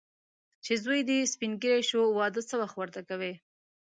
چې زوی دې سپین ږیری شو، واده څه وخت ورته کوې.